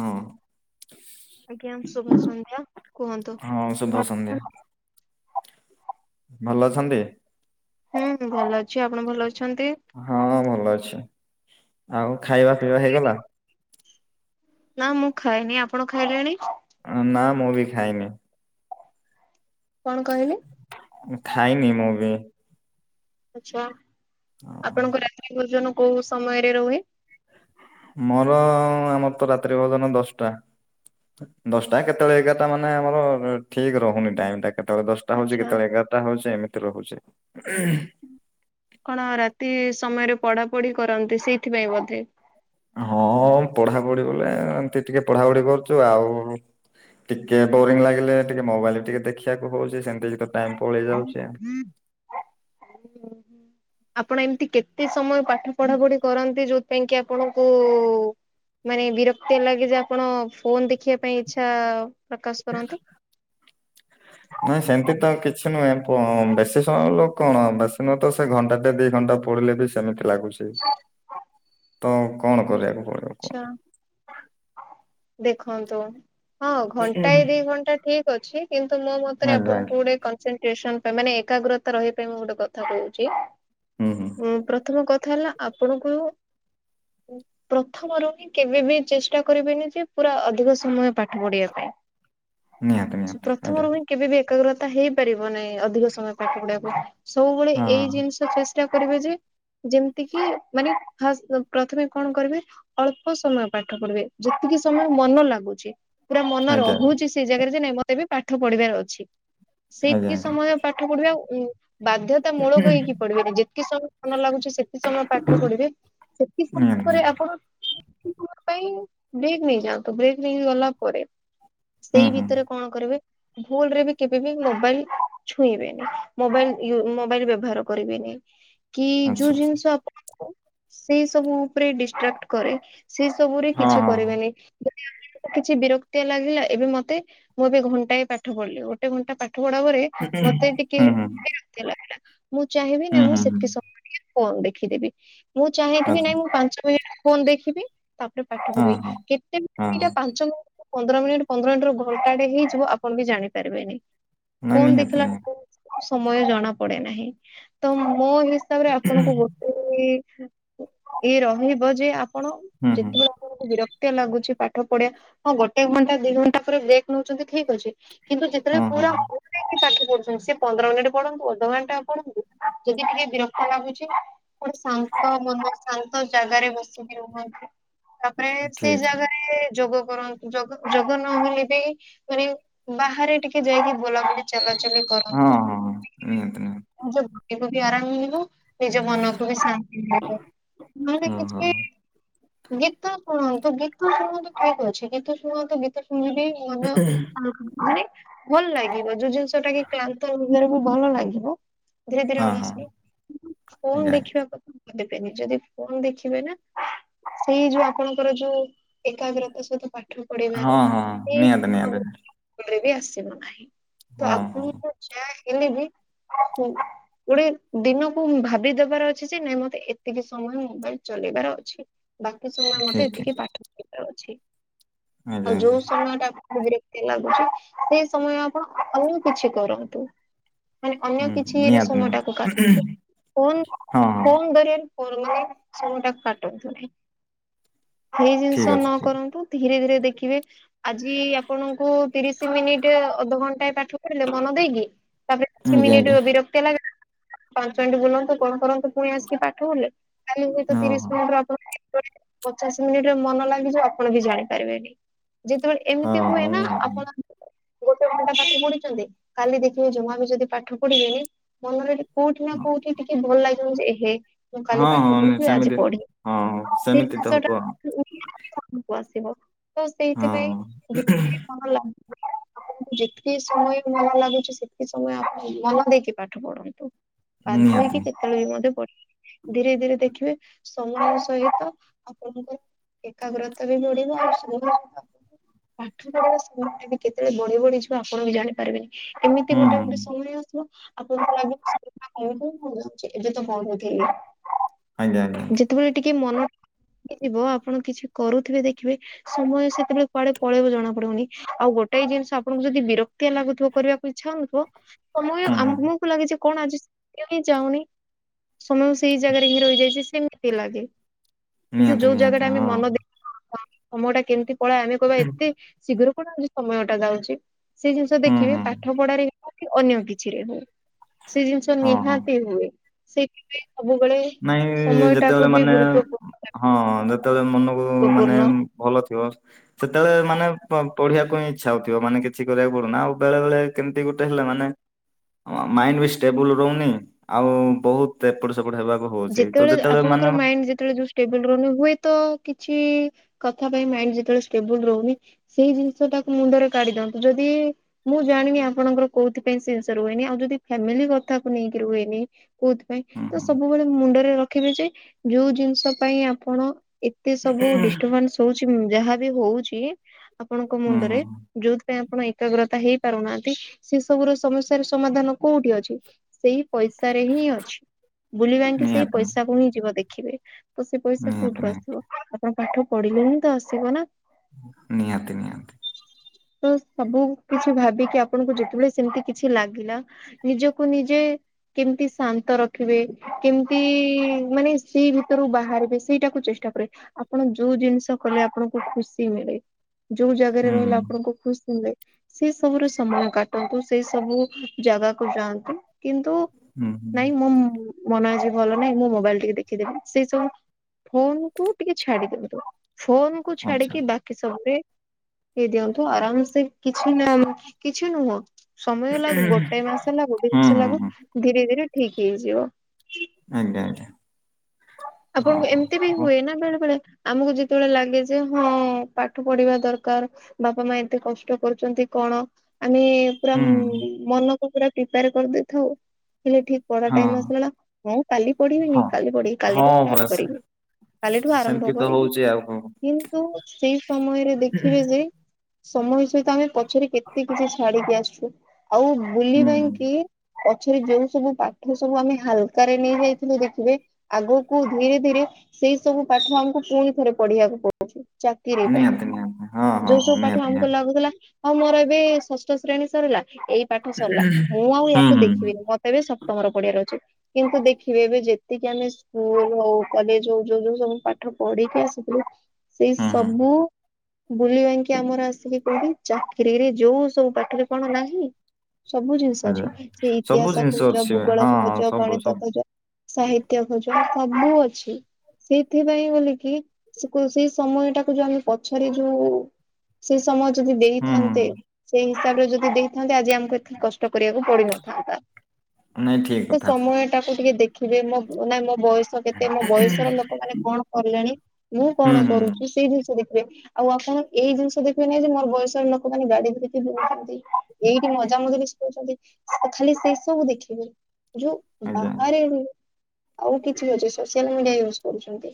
ହୁଁ ଆଜ୍ଞା। ଶୁଭ ସନ୍ଧ୍ୟା କୁହନ୍ତୁ। ହଁ ଶୁଭ ସନ୍ଧ୍ୟା ଭଲ ଅଛନ୍ତି? ହୁଁ ହୁଁ ଭଲ ଅଛି। ଆପଣ ଭଲ ଅଛନ୍ତି? ହଁ ଭଲ ଅଛି। ଆଉ ଖାଇବା ପିଇବା ହେଇଗଲା। ନା ମୁଁ ଖାଇନି। ଆପଣ ଖାଇଲେଣି? ନା ମୁଁ ବି ଖାଇନି। କଣ କହିଲେ? ଖାଇନି ମୁଁ ବି। ଆଛା। ହଁ। ଆପଣଙ୍କ ରାତ୍ରୀ ଭୋଜନ କୋଉ ସମୟରେ ରୁହେ? ମୋର ଆମର ତ ରାତ୍ରି ଭୋଜନ ଦଶଟା। ଦଶଟା କେତେବେଳେ ଏଗାରଟା। ମାନେ ଆମର ଠିକ ରହୁନି ଟାଇମ ଟା। କେତେବେଳେ ଦଶଟା ହଉଛି। ଆଚ୍ଛା କେତେବେଳେ ଏଗାରଟା ହଉଛି। ଏମିତି ରହୁଛି। କଣ ରାତି ସମୟରେ ପଢା ପଢି କରନ୍ତି। ସେଇଥିପାଇଁ ବୋଧେ? ହଁ ପଢାପଢି ବୋଲେ ଏମତି ଟିକେ ପଢାପଢି କରୁଛୁ। ଆଉ ଟିକେ ବୋରିଂ ଲାଗିଲେ ଟିକେ ମୋବାଇଲ ଟିକେ ଦେଖିବାକୁ ହଉଚି। ସେମତି ଟାଇମ ପଳେଇ ଯାଉଛି। [unintelligible] [unintelligible] ଆପଣ ଏମିତି କେତେ ସମୟ ପାଠ ପଢା ପଢି କରନ୍ତି। ଯୋଉଥିପାଇଁ କି ଆପଣଙ୍କୁ ମାନେ ବିରକ୍ତି ଲାଗେ ଯେ ଆପଣ ଫୋନ ଦେଖିବା ପାଇଁ ଇଚ୍ଛା ପ୍ରକାଶ କରନ୍ତି। ନାଇଁ ସେମିତି ତ କିଛି ନୁହେଁ। ବେଶୀ ସମୟ ଲୋକ କଣ ବେଶୀ ନୁହେଁ ତ ସେ ଘଣ୍ଟାଟେ ଦି ଘଣ୍ଟା ପଡିଲେ ବି ସେମିତି ଲାଗୁଛି। ତ କଣ କରିବାକୁ ପଡିବ। କୁହ? ଆଚ୍ଛା ଦେଖନ୍ତୁ। ହଁ ଘଣ୍ଟା ଏ ଦି ଘଣ୍ଟା ଠିକ୍ ଅଛି। କିନ୍ତୁ ମୋ ମତରେ ଆଜ୍ଞା ଆଜ୍ଞା ଆପଣଙ୍କୁ ଗୋଟେ ମାନେ ଏକାଗ୍ରତା ରହିବା ମୁଁ ଗୋଟେ କଥା କହୁଛି। ହୁଁ ହୁଁ ଉ ପ୍ରଥମ କଥା ହେଲା ଆପଣଙ୍କୁ ପ୍ରଥମରୁ ହିଁ କେବେ ବି ଚେଷ୍ଟା କରିବେନି। ଯେ ପୁରା ଅଧିକ ସମୟ ପାଠ ପଢିବା ପାଇଁ। ନିହାତି ନିହାତି ଆଜ୍ଞା ପ୍ରଥମରୁ ହଁ କେବେ ବି ଏକାଗ୍ରତା ହେଇପାରିବ ନାହିଁ। ଅଧିକ ସମୟ ପାଠ ପଢିବାକୁ। ସବୁବେଳେ ହଁ ଏଇ ଜିନିଷ ଚାଷ ଚେଷ୍ଟାକରିବେ ଯେ ଯେମିତି କି ମାନେ ଫାଷ୍ଟ ପ୍ରଥମେ କଣ କରିବେ ଅଳ୍ପ ସମୟ ପାଠ ପଢିବେ। ଯେତିକି ସମୟ ମନ ଲାଗୁଛି। ପୁରା ମନ ଆଜ୍ଞା ରହୁଛି। ସେ ଜାଗାରେ ଯେ ନାଇଁ ମତେ ବି ପାଠ ପଢିବାର ଅଛି। ଆଜ୍ଞା ଆଜ୍ଞା ସେତିକି ଆଜ୍ଞା ସମୟ ପାଠ ପଢିବି ଆଉ ବାଧ୍ୟ ତା ମୂଳକ ହେଇକି ପଢିବେନି ଯେତିକି ସମୟ ମନ ଲାଗୁଛି। ସେକିତି ସମୟ ପାଠ ପଢିବେ। ସେତିକି ସମୟ ନିହାତି ପରେ ନିହାତି ଆପଣ ପାଇଁ ବ୍ରେକ୍ ନେଇଯାଆନ୍ତୁ। ବ୍ରେକ୍ ନେଇ ଗଲା ପରେ ହୁଁ ସେଇ ହୁଁ ଭିତରେ କଣ କରିବେ ଭୁଲ ରେ ବି କେବେ ବି ମୋବାଇଲ ଛୁଇଁବେନି। ମୋବାଇଲ ମୋବାଇଲ ବ୍ୟବହାର କରିବେନି। କି ଆଚ୍ଛା ଯୋଉ ଜିନିଷ ଆପଣଙ୍କୁ ସେଇ ସବୁ ଉପରେ ଡିଷ୍ଟ୍ରାକ୍ଟ କରେ। ସେ ସବୁ ରେ ହଁ କିଛି ହଁ କରିବେନି। କିଛି ବିରକ୍ତି ଲାଗିଲା ଏବେ ମତେ ମୁଁ ଏବେ ଘଣ୍ଟା ପାଠ ପଢିଲି। ଗୋଟେ ଘଣ୍ଟା ପାଠ ପଢା ପରେ ମତେ ଟିକେ ହୁଁ ହୁଁ ନିଦ ଲାଗିଲା ମୁଁ ଚାହିଁବି ନା ହୁଁ ମୁଁ ହୁଁ ହୁଁ ସେତିକି ସମୟ ଟିକେ ଫୋନ୍ ଦେଖିଦେବି। ମୁଁ ଚାହିଁଥିବି ଆଚ୍ଛା ନାଇଁ ମୁଁ ପାଞ୍ଚ ମିନିଟ ଫୋନ ଦେଖିବି। ତାପରେ ପାଠ ହଁ ପଢିବି। ହଁ କେତେ ହଁ ଏଇଟା ହଁ [unintelligible] ପାଞ୍ଚ ମିନିଟ ପନ୍ଦର ମିନିଟ ପନ୍ଦର ମିନିଟ ରୁ ଘଣ୍ଟା ଟେ ହେଇଯିବ ଆପଣ ବି ଜାଣିପାରିବେନି। ନାଇଁ ଫୋନ ନିହାତି ଦେଖିଲା ନିହାତି ସମୟ ଜଣା ପଡେ ନାହିଁ। ତ ମୋ ହିସାବରେ ଆପଣଙ୍କୁ ଗୋଟେ। ଏ ଏ ଏଇ ଇଏ ରହିବ ଯେ ଆପଣ ହୁଁ ହୁଁ ଯେତେବେଳେ ଆ [inaudible] ବିରକ୍ତିଆ ଲାଗୁଛି ପାଠ ପଡେଆ ହଁ ଗୋଟେ ଘଣ୍ଟା ଦି ଘଣ୍ଟା ପରେ ବ୍ରେକ୍ ନଉଛନ୍ତି ଠିକ୍ ଅଛି। କିନ୍ତୁ ହଁ ଯେତେବେଳେ ହଁ ପୁରା ସେ କି ପାଠ ପଢୁଛନ୍ତି ସିଏ ପନ୍ଦର ମିନିଟ ପଢନ୍ତୁ ଅଧଘଣ୍ଟା ପଢନ୍ତୁ ଯଦି ଟିକେ ବିରକ୍ତ ଲାଗୁଛି ଗୋଟେ ଶାନ୍ତ ମନ ଶାନ୍ତ ଜାଗା ଗାରେ ବସିକି ରୁହନ୍ତି ତାପରେ ସେଇ ଠିକ୍ ଠିକ୍ ଜାଗାରେ ଯୋଗ କରନ୍ତ୍ ଯୋଗ ଯୋଗ ନହେଲେ ବି ମାନେ ବାହାରେ ଟିକେ ଯାଇକି ବୋଲାବୁଲି ଚଲାଚଲି କର୍ ହଁ ଅନ୍ତୁ ହଁ ହଁ ନିହାତି ନିହାତି ଯୋଗ୍ [unintelligible] ବି ଆରାମ ମିଳିବ। ନିଜ ମନକୁ ବି ଶାନ୍ତି ମିିଳିବ ହଁ ନୁହେଁକି। ହଁ ଗୀତ ଶୁଣନ୍ତୁ ଗୀତ ଶୁଣନ୍ତୁ ଠିକ୍ ଅଛି ଗୀତ ଶୁଣନ୍ତୁ ଗୀତ ଶୁଣିନେ ବି ମନ ହାଲକା ମାନେ ଭଲ୍ ଲାଗିବ ଯୋଉ ଜିନିଷଟା କି କ୍ଲାନ୍ତ [unintelligible] ଭଲ ଲାଗିବ। ଧୀରେ ଧରେ ହଁ ହଁ ଆଉଁସିବେ। ଫୋନ୍ ଆଜ୍ଞା ଆଜ୍ଞା ଦେଖିବାକୁ [inaudible] ଦେବେନି ଯଦି ଫୋନ୍ ଦେଖିବେ ନା ସେଇ ଯୋଉ ଆପଣଙ୍କର ଯୋଉ ଏକାଗ୍ରତା ସହିତ ପାଠ ହଁ ପଢିଇିବାର ହଁ ଏଇ ନିହାତି [inaudible] ନିହାତି ଉପରେ ବି ଆସିବ ନାହିଁ ତ ହଁ ହଁ ଆପଣୁଙ୍କୁ ଯା ହେଲେ ବି ଗୋଡେ ଦିନକୁ ଉଁ ଭାବିଦେବାର ଅଛି ଯେ ନାଇଁ ମତେ ଏତିକି ସମୟ ମୋବାଇଲ ଚଲେଇବାର ଅଛି। ବାକି ସମୟ ମତେ ଠିକ୍ ଏତିକି ଠିକ୍ ପାଠ [inaudible] ଢିବାର ଅଛି ଆଜ୍ଞା ଆଉ ଆଜ୍ଞା। ଯୋଉ ସମୟଟା ଆଉ ବିରକ୍ତି ଲାଗୁଚି ସେଇ ସମୟ ଆପଣ ଆଉ କିଛି କରନ୍ତୁ। ଆଉ ଅନ୍ୟ ହୁଁ ହୁଁ କିଛିରେ ନିହାତି ନିହାତି ସମୟଟାକୁ କାଟ [inaudible] ଫୋନ୍ ହଁ ହଁ ଫୋନ୍ ଧରି ଫୋନରେ ସମୟଟା କାଟନ୍ତୁ ନାହିଁ ଏଇ ଠିକ୍ ଜିନିଷ ଅଛି ନ ଠିକ୍ କରନ୍ତୁ। ଧୀରେ ଧୀରେ ଦେଖିବେ ଆଜି ଆପଣଙ୍କୁ ତିରିଶି ମିନିଟି ଅଧଘଣ୍ଟାଏ ପାଠ ପଢିଲେ ମନ ଦେଇକି ତାପରେ କିଛି ଆଜ୍ଞା ମିନିଟ୍ ଆଜ୍ଞା ବିର ତ ଲାଗେ ପାଞ୍ଚ ମିଣ୍ଟି ବୁଲନ୍ତୁ କଣ କରନ୍ତୁ ପୁଣି ଆସିକି ପାଠ ପଢିଲେ। କାଲି ହୁଏତ ହଁ ତିରିଶ ହଁ। ମିିନିଟରେ ଆପଣ [unintelligible] ପଚାଶ ମିନିଟରେ ମନ ଲାଗିଯିବ ଆପଣ ବି ଜାଣି ପାରିବେନି ଯେତେବେଳେ ହଁ ଏମିତି ହଁ ହୁଏ ନା ନିହାତି ଆପଣ ଗୋଟେ ଘଣ୍ଟା ପାଠ ପଢିଛନ୍ତି କାଲି ଦେଖିବେ ଜମା ବି ଯଦି ପାଠ ପଢିବେନି ମନରେ ଟିକ୍ କୋଉଠି ନା ହଁ କୋଉଠି ଟିକେ ଭଲ୍ ଲାଗିବନି ଯେ ଏ ହେ ମୁଁ କାଲି ହଁ ପାଠ ହଁ, ନି- ପଢୁଥିଲି ଆଜି ସେମିତି ପଢିନି। ହଁ ହଁ। ସେଇ ସେମିତି ତ ହବ ବିଷୟଟା ଆଉ। [inaudible] କୁ ଆସିବ ତ ହଁ ସେଇଥିପାଇଁ ହଁ, [inaudible] ଯେତକି ସମୟ ମନ ଲାଗୁଛି ସେତକି ସମୟ [inaudible] ମନ ଦେଇକି ପାଠ ପଢନ୍ତୁ। ବାଧ୍ୟ ନିହାତି ହେଇକି ନି- କେତେବେଳେ ବି ମଧ୍ୟ ପଢି [unintelligible] ଧୀରେ ଧୀରେ ଦେଖିବେ ସମୟ ସହିତ ଆପଣଙ୍କ ଏକାଗ୍ରତା ବି ବଢିବ ଆଉ [inaudible] ପାଠ ପଢାରେ ସମୟଟା ବି କେତେବେଳେ ବଢି ବଢିଯିବ ଆପଣ ବି ଜାଣିପାରିବେନି ଏମିତି ହୁଁ ଗୋଟେ ହୁଁ ଗୋଟେ ସ ସମୟ ଆସିବ ଆପଣଙ୍କୁ ଲାଗୁ [inaudible] ଏବେ ତ ପଢୁଥିଲି। ଆଜ୍ଞା ଆଜ୍ଞା ଆଜ୍ଞା। ଯେତେବେଳେ ଟିକେ ମନ [unintelligible] ଡିଯିବ ଆପଣ କିଛି କରୁଥିବେ ଦେଖିବେ ସମୟ ସେତେବେଳେ କୁଆଡେ ପଳେଇବ ଜଣା ପଡିବନି ଆଉ ଗୋଟାଏ ଜିନିଷ ଆପଣଙ୍କୁ ଯଦି ବିରକ୍ ତିଆ ଲାଗୁଥିବ କରିବାକୁ ଇଚ୍ଛା ହଉନଥିବ ତ ମୁଁ ହୁଁ ହୁଁ ଆମ କୁ ଲାଗେ ଯେ କଣ ଆଜି [inaudible] ବି ଯାଉନି ସମୟ ସେଇ ଜାଗାରେ ହିଁ ରହିଯାଇଛି ସେମିତି ଲାଗେ। କିନ୍ତୁ ନିହାତି ଯୋଉ ନିହାତି ଜାଗାଟା ଆମ ହଁ ମନ ଦେଇ ସମୟଟା କେମତି ପଳାଏ ଆମେ କହିବା ଏତେ ଶୀଘ୍ର କଣ ଆଜି ସମୟଟା ଯାଉଚି। ସେଇ ଜିନିଷ ହୁଁ ଦେଖିବେ ହୁଁ ପାଠ ପଢାରେ ହଉ କି ଅନ୍ୟ କିଛିରେ ହଉ। ସେଇ ଜିନିଷ ହଁ ହଁ। ନିହାତି ହୁଏ ସେଇଥିପାଇଁ ସବୁବେଳେ ନାଇଁ ସମୟଟାକୁ ଯେତେବେଳେ ବି ମାନେ ଗୁରୁତ୍ୱପୂର୍ଣ୍ଣ ହଁ ଯେତେବେଳେ ମନକୁ ମାନେ ଉଁ ଭଲ ଥିବ ସେତେବେଳେ ମାନେ ପ ପଢିବାକୁ ହିଁ ଇଚ୍ଛା ହଉଥିବ ମାନେ କିଛି କରିବାକୁ ପଡୁ ନା ଆଉ ବେଳେ ବଳେ କେମତି ଗୋଟେ ହେଲେ ମାନେ ହଁ ମାଇଣ୍ଡ ବି ଷ୍ଟେବୁଲୁ ରଉନି ଆଉ ବୋହୁତ ଏପଟ ସେପଟ ହେବା ଯେତେବେଳେ ଆପଣଙ୍କର ମାଇଣ୍ଡ ଯେତେବେଳେ ଯୋଉ ଷ୍ଟେବୁଲ୍ ରହୁନି ହୁଏତ କିଛି କଥା ପାଇଁ ମାଇଣ୍ଡ ଯେତେବେଳେ ଷ୍ଟେବୁଲ୍ ରୋହୁନି। ସେଇ ଜିନିଷ ଟାକୁ ମୁଣ୍ଡରେ କାଢି ଦିଅନ୍ତୁ। ଯଦି ମୁଁ ଜାଣିନି ଆପଣଙ୍କର କୋଉଥିପାଇଁ ସେ ଜିନ୍ସ ରୁହେନି। ଆଉ ଯଦି ଫ୍ୟାମିଲି କଥାକୁ ନେଇକି ରୁହେନି କୋଉଥିପାଇଁ ହୁଁ ତ ହୁଁ ସବ ମୁଁ ବେଳେ ମୁଣ୍ଡରେ ରଖିବି ଯେ ଯୋଉ ଜିନଷ ପାଇଁ ଆପଣ ଏତେ ସବୁ ଡିଷ୍ଟବାନ୍ସ ହଉଚି ଯାହା ବି ହଉଚି ଆପଣଙ୍କ ହୁଁ ମୁଣ୍ଡରେ, ହୁଁ ଯୋଉଥିପାଇଁ ଆପଣ ଏକାଗ୍ରତା ହେଇ ପାରୁନାହାନ୍ତି ସେ ସବୁର ସମସ୍ୟାର ସମାଧାନ କୋଉଟି ଅଛି, ସେଇ ପଇସାରେ ହିଁ ଅଛି। ବୁଲିବାଙ୍କୀ ସେଇ ନିହାତି ପଇସା କୁ ହିଁ ଯିବ ଦେଖିବେ ତ ସେଇ ପଇସା ନିହାତି କୋଉଠୁ ନିହାତି ଆସିବ ଆପଣ ପାଠ ପଢିଲେ ହିଁ ତ ଆସିବ ନା। ନିହାତି ନିହାତି। ତ ସବୁ କିଛି ଭାବିକି ଆପଣଙ୍କୁ ଯେତେବେଳେ ସେମତି କିଛି ଲାଗିଲା ନିଜକୁ ନିଜେ କେମ୍ତି ଶାନ୍ତ ରଖିବେ କେମ୍ତି ମାନେ ସେଇ ଭିତରୁ ବାହାରିବେ ସେଇଟାକୁ ଚେଷ୍ଟା କରେ ଆପଣ ଯୋଉ ଜିନଷ କଲେ ଆପଣଙ୍କୁ ଖୁସି ମିଳେ ଯୋଉ ଜାଗାରେ ହୁଁ ରହିଲେ ଆପଣଙ୍କୁ ଖୁସି ମିଳେ ସେଇ ସବୁର ସମୟ କାଟନ୍ତୁ ସେଇ ସବୁ ଜାଗାକୁ ଯାଆନ୍ତୁ। କିନ୍ତୁ ହୁଁ ନାଇଁ ହୁଁ ମୋ ମନ ଆଜି ଭଲ ନାହିଁ ମୁଁ ମୋବାଇଲ ଟିକେ ଦେଖିଦେବି ସେଇ ସବୁ ଫୋନ୍ କୁ ଟିକେ ଛାଡି ଦିଅନ୍ତୁ ଫୋନ କୁ ଆଚ୍ଛା ଛାଡିକି ବା କି ସବୁରେ ହେଇ ଦିଅନ୍ତୁ ଆରାମ ସେ କିଛି ନା କିଛି ନୁହଁ ସମୟ ଲାଗୁ ଗୋଟେ ମାସ ହେଲା ଗୋଟେ ହୁଁ ମାସ ହୁଁ ଲାଗୁ ହୁଁ ଧୀରେ ଧୀରେ ଠିକ ହେଇଯିବ। ଆଜ୍ଞା ଆଜ୍ଞା। ହଁ ଆପଣଙ୍କୁ ହଁ ଏମତି ବି ହଉ, ହୁଏ ନା ବେଳେ ବେଳେ ଆମକୁ ଯେତେବେଳେ ଲାଗେ ଯେ ହଁ ପାଠ ପଢିବା ଦରକାର ବାପା ମା ଏତେ କଷ୍ଟ କରୁଛନ୍ତି କଣ ଆମେ ପୁରା ହୁଁ ମନକୁ ପୁରା ପ୍ରିପେୟାର କରିଦେଇଥାଉ ହେଲେ ଠିକ୍ ପଢ଼ା ହଁ ଟାଇମ୍ ଆସିଲାନା ହଁ କାଲି ପଢିବିନି ହଁ କାଲି ପଢିବି ହଁ କାଲିଠୁ ଷ୍ଟାର୍ଟ ପରା କରିବି। କାଲିଠୁ ଆରମ୍ଭ ସେମିତି ତ କରିବି ହଉଛି ଆଉ କଣ କିନ୍ତୁ ସେଇ ସମୟରେ ଦେଖିବେ ଯେ ଏ ସମୟ ସହିତ ଆମେ ପଛରେ କେତେ କିଛି ଛାଡିକି ଆସଚୁ ଆଉ ହୁଁ ହୁଁ ବୁଲିବାଙ୍କି ପଛରେ ଯୋଉ ସବୁ ପାଠ ସବୁ ଆମେ ହାଲକାରେ ନେଇ ଯାଇଥିଲେ ଦେଖିବେ ଆଗୁକୁ ଧୀରେ ଧୀରେ ସେଇ ସବୁ ପାଠ ଆମକୁ ପୁଣି ଥରେ ପଢିବାକୁ ପ ଚାକିରି ପାଇଁ ନିହାତି ନିହାତି ହଁ ହଁ ଯୋଉ ହଁ ସବୁ ପାଠ ନିହାତି ଆମକୁ ନିହାତି ଲାଗୁଥିଲା ହଁ ମୋର ଏବେ ଷଷ୍ଠ ଶ୍ରେଣୀ ସରିଲା ଏଇ ପାଠ ସରିଲା ମୁଁ ଆଉ ହୁଁ ୟାକୁ ହୁଁ ଦେଖି ହୁଁ ବିନି ମତେ ଏବେ ସପ୍ତମରେ ପଢିଆର ଅଛି କିନ୍ତୁ ଦେଖିବେ ଏବେ ଯେତିକି ଆମେ ସ୍କୁଲ ହଉ କଲେଜ ହଉ ଯୋଉ ଯୋଉ ସବୁ ପାଠ ପଢିକି ଆସିଥିଲେ ସେଇ ହୁଁ ହୁଁ ସବୁ ବୁଲିବାଙ୍କୀ ଆମର ଆସିକି କୋଉଠି ଚାକିରିରେ ଯୋଉ ସବୁ ପାଠରେ କଣ ନାହିଁ? ସବୁ ଜିନଷ ଆଜ୍ଞା। ଅଛି ସେ ସବୁ ଇତିହାସ ଜିନିଷ ଖୋଜ, ଅଛି ଭୂଗୋଳ ହଁ ହଁ ଖୋଜ, ସବୁ ଗଣିତ ସବୁ ଖୋଜ ସାହିତ୍ୟ ଖୋଜ ସବୁ ଅଛି। ସେଇଥିପାଇଁ ବୋଲିକି ଶେକୁ ସେଇ ସମୟ ଟାକୁ ଯୋଉ ଆମେ ପଛରେ ଯୋଉ ସେ ସମୟ ଯଦି ହୁଁ ହୁଁ ଦେଇଥାନ୍ତେ ହୁଁ ସେଇ ହିସାବରେ ଯଦି ଦେଇଥାନ୍ତେ ଆଜି ଆମକୁ ଏତେ କଷ୍ଟ କରିବାକୁ ପଡିିନଥାନ୍ତା। ନାଇଁ ଠିକ ତ କଥା ସମୟ ଟାକୁ ଟିକେ ଦେଖିବେ ମୋ ନାଇଁ ମୋ ବୟସ ତ କେତେ ମୋ ବୟସର ଲୋକମାନେ କଣ କଲେଣି ମୁଁ ହୁଁ କଣ ହୁଁ ହୁଁ କରୁଚି ସେଇ ଜିନିଷ ଦେଖିବେ। ଆଉ ଆପଣ ଏଇ ଜିନିଷ ଦେଖିବେ ନାହିଁ ଯେ ମୋର ବୟସରେ ଲୋକମାନେ ଗାଡି ଧରିକି ବୁଲୁଚନ୍ତି। ଏଇଠି ମଜା ମଜ୍ଲିସ୍ କରୁଛନ୍ତି ଆଉ ଖାଲି ସେଇ ସବୁ ଦେଖିବେ ଯୋଉ ଆଜ୍ଞା ବାହାରେ ଆଉ କିଛି ଅଛି ସୋସିଆଲ ମିଡିଆ ୟୁଜ କରୁଛନ୍ତି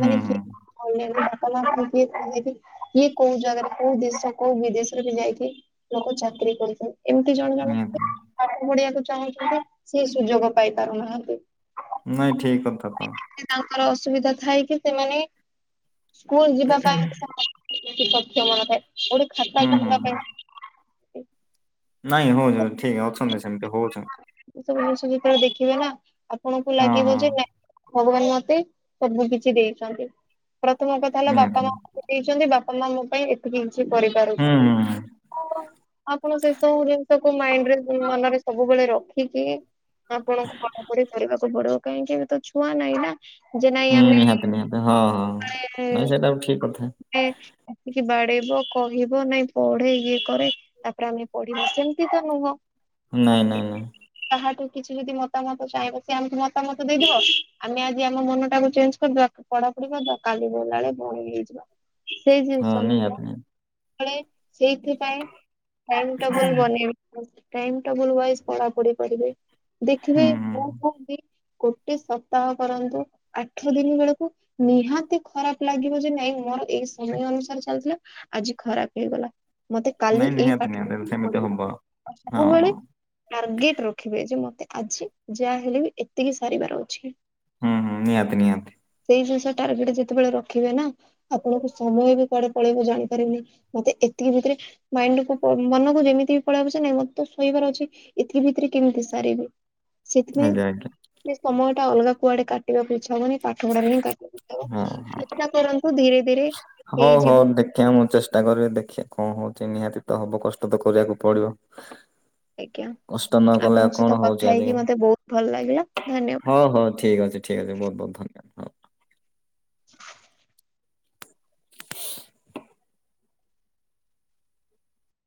ହୁଁ ହୁଁ କିଏ ଅନଲାଇନ୍ ରେ [unintelligible] କିଏ କୋଉ ଜାଗାରେ କୋଉ ଦେଶ କୋଉ ବିଦେଶରେ ବି ଯାଇକି ଲୋକ ଚାକିରୀ କରିକି ଏମତି ଜଣେ ଜଣେ ନିହାତି ପାଠ ପଢିବାକୁ ଚାହୁଁଚନ୍ତି ସେ ସୁଯୋଗ ପାଇ ପାରୁନାହାନ୍ତି। ନାଇଁ ଠିକ୍ କଥା ତ। ସିଏ ତାଙ୍କର ଅସୁବିଧା ଥାଏକି ସେମାନେ ସ୍କୁଲ ଯିବା ପାଇଁ ସେମା ସକ୍ଷମ ନଥାଏ ଗୋଟେ ଖାତା ହୁଁ ହୁଁ ହୁଁ କିଣିବା ପାଇଁ। ନାଇଁ ହଉ ଠିକ ଅଛନ୍ତି ସେମିତି ହଉଛନ୍ତି। ତଷ ଯେତବେଳେ ଦେଖିବା ନା ଆପଣଙ୍କୁ ହଁ ଲାଗିବ ହଁ ଯେ ନା ଭଗବାନ ମତେ ସବୁ କିଛି ଦେଇଛନ୍ତି। ପ୍ରଥମ କଥା ହେଲା ନିହାତି ବାପା ମା ହୁଁ ଦେଇଛନ୍ତି ବାପା ମା ମୋ ପାଇଁ ଏତିକି କିଛି ହୁଁ କରିପାରୁଛନ୍ତି। ହୁଁ ଆପଣ ସେ ସବୁ ଜିନିଷକୁ ମାଇଣ୍ଡରେ ମନରେ ସବୁବେଳେ ରଖିକି ଆପଣଙ୍କୁ କାମକରି କରିବାକୁ ପଡିବ। କାହିଁକି ବି ତ ଛୁଆ ନାହିଁ ନା। ଯେ ନାଇଁ ହୁଁ ଆମେ ନିହାତି ନିହାତି ହଁ ହଁ, ନାଇଁ ସେଇଟା ଠିକ କଥା। ଆସିକି ବାଡେଇବ କହିବ ନାଇଁ ପଢେ ଇଏ କରେ ତାପରେ ଆମେ ପଡିଲୁ ସେମତି ତ ନୁହଁ। ନାଇଁ ନାଇଁ ନାଇଁ। କାହାଠୁ କିଛି ଯଦି ମତାମତ ଚାହିଁବା ସେ ଆମତି ମତାମତ ଦେଇଦବ, ଆମେ ଆଜି ଆମ ମନ ଟାକୁ ଚେଞ୍ଜ କରିଦବା ପଢା ପଢି କରିଦବା କାଲି ଗଲା ବଳେ ପୁ ସେଇ ହଁ ଜିନିଷ ନିହାତି ନୁହ, ନିହାତି ସେଇଥିପାଇଁ ଟାଇମ୍ ଟେବୁଲ ବନେଇବି, ଟାଇମ ଟେବୁଲ ୱାଇଜ୍ ପଢାପଢି କରିବି। ଦେଖିବେ ହୁଁ ହୁଁ। କଣ କୁହବି ଗୋଟେ ସପ୍ତାହ କରନ୍ତୁ। ଆଠ ଦିନ ବେଳକୁ ନିହାତି ଖରାପ ଲାଗିବ ଯେ ନାଇଁ ମୋର ଏଇ ସମୟ ଅନୁସାରେ ଚାଲିଥିଲା ଆଜି ଖରାପ ହେଇଗଲା। ମତେ କାଲି ନାଇଁ ଏଇ ନିହାତି ପାଠ ନିହାତି ସେମିତି ହବ ହଁ ହଁ ସବୁବେଳେ ଟାର୍ଗେଟ ରଖିବେ ଯେ ମତେ ଆଜି ଯାହାଲେ ବି ଏତିକି ସାରିବାର ଅଛି। ହୁଁ ହୁଁ ନିହାତି ନିହାତି। ସେଇ ଜିନିଷ ଟାର୍ଗେଟ ଯେତେବେଳେ ରଖିବେ ନା ଆପଣଙ୍କୁ ସମୟ ବି କୁଆଡେ ପଳେଇବୁ ଜାଣିପାରିବେନି, ମତେ ଏତିକି ଭିତରେ ମାଇଣ୍ଡ କୁ ମନକୁ ଯେମିତି ବି ପଳେଇ ପଛ ନାଇଁ ମତେ ଶୋଇବାର ଅଛି ଏଥି ଭିତରେ କେମିତି ସାରିବି? ସେଥିପାଇଁ ଆଜ୍ଞା ଆଜ୍ଞା ସେ ସମୟ ଟା ଅଲଗା କୁଆଡେ କାଟିବାକୁ ଇଛାହବନି। ପାଠ ପଢାରେ ହିଁ କ ହଁ ହଁ ଚେଷ୍ଟା କରନ୍ତୁ ଧୀରେ ଧୀରେ ହଉ ହଉ ହେଇଯିବ ଦେ ଖିଆ ମୁଁ ଚେଷ୍ଟା କରିବି ଦେଖି କଣ ହଉଛି ନିହାତି ତ ହବ କଷ୍ଟ ତ କରିବାକୁ ପଡିବ। ଆଜ୍ଞା କଷ୍ଟ ନ କଲେ ଆଉ ଆପଣଙ୍କ ସହିତ କଣ କଥା ହଉଛି ହେଇକି ମତେ ବହୁତ ଭଲ ଲାଗିଲା ଆଜିକାଲି, ଧନ୍ୟବାଦ। ହଉ ହଉ ଠିକ ଅଛି। ଠିକ୍ ଅଛି ବହୁତ ବହୁତ ଧନ୍ୟବାଦ ହଉ। [inaudible]